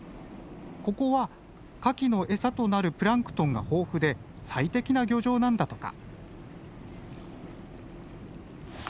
ここはカキの餌となるプランクトンが豊富で最適な漁場なんだとか。